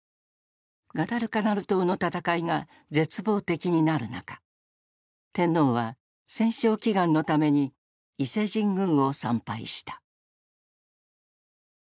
ガダルカナル島の戦いが絶望的になる中天皇は戦勝祈願のために伊勢神宮を参拝した。